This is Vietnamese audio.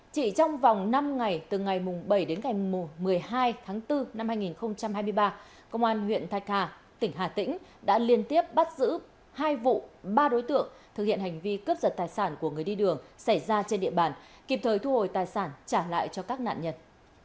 chỉ trong vòng năm ngày từ ngày bảy đến ngày một mươi hai tháng bốn năm hai nghìn hai mươi ba công an huyện thạch hà tỉnh hà tĩnh đã liên tiếp bắt giữ hai vụ ba đối tượng thực hiện hành vi cướp giật tài sản của người đi đường xảy ra trên địa bàn kịp thời thu hồi tài sản trả lại cho các nạn nhân